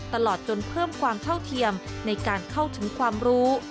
ตลอดจนเพิ่มความเท่าเทียมในการเข้าถึงความรู้